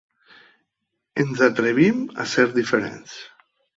Ens atrevim a ser diferents.